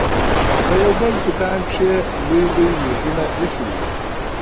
په يو بل دوکان کښې لوى لوى مېزونه ايښي وو.